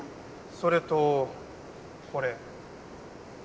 それとこれ。